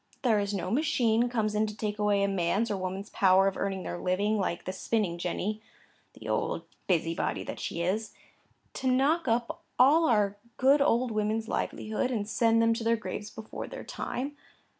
There is no machine comes in to take away a man's or woman's power of earning their living, like the spinning jenny (the old busybody that she is), to knock up all our good old women's livelihood, and send them to their graves before their time.